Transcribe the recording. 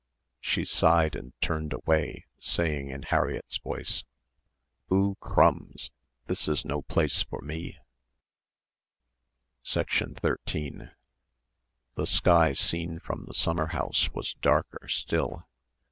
She sighed and turned away saying in Harriett's voice, "Oo crumbs! This is no place for me." 13 The sky seen from the summer house was darker still.